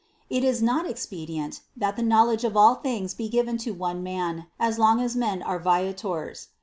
It is not ex pedient, that the knowledge of all things be given to one man, as long as men are viators.